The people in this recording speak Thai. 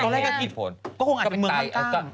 ก็คงอาจเป็นเมืองต่าง